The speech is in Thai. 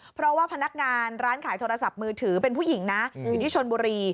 เพราะว่าพนักงานร้านขายโทรศัพท์มือถือเป็นผู้หญิงนะอยู่ที่ชนบุรี